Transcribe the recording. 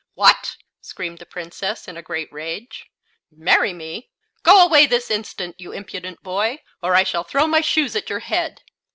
"What!" screamed the Princess, in a great rage; "marry me! Go away this instant, you impudent boy, or I shall throw my shoe at your head!"